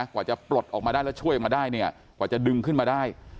กว่าจะปลดออกมาได้และช่วยมาได้กว่าจะดึงขึ้นมาได้